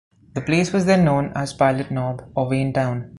The place was then known as Pilot Knob or Waintown.